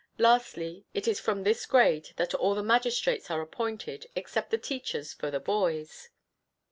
Lastly, it is from this grade that all the magistrates are appointed except the teachers for the boys.